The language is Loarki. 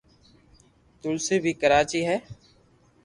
تلسي بي ڪراچي ھي